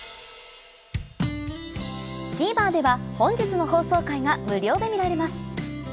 ＴＶｅｒでは本日の放送回が無料で見られます